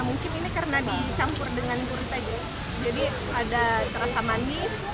mungkin ini karena dicampur dengan gurita jadi ada rasa manis